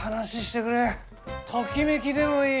ときめきでもいい！